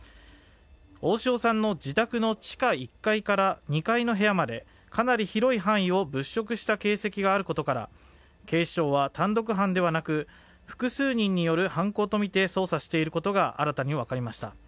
大塩さんの自宅の地下１階から２階の部屋までかなり広い範囲を物色した形跡があることから警視庁は単独犯ではなく複数人による犯行とみて捜査していることが新たに分かりました。